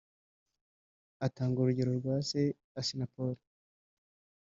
atanga urugero rwa se Assinapol